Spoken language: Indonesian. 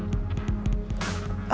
emang ni malem semua kita